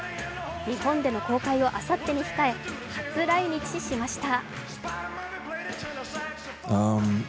日本での公開をあさってに控え初来日しました。